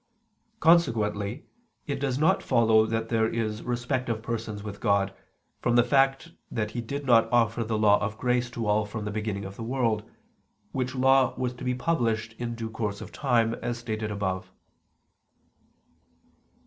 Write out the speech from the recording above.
Consequently it does not follow that there is respect of persons with God, from the fact that He did not offer the Law of grace to all from the beginning of the world, which Law was to be published in due course of time, as stated above.